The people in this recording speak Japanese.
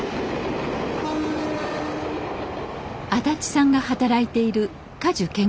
安達さんが働いている果樹研究所。